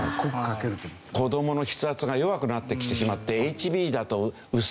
子どもの筆圧が弱くなってきてしまってＨＢだと薄くなると。